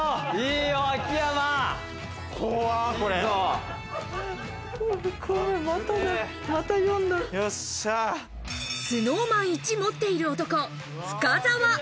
ＳｎｏｗＭａｎいち持っている男・深澤。